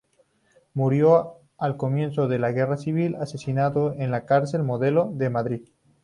Murió al comienzo de la Guerra Civil, asesinado en la Cárcel Modelo de Madrid.